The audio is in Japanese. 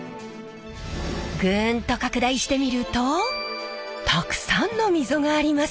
グンと拡大してみるとたくさんの溝があります。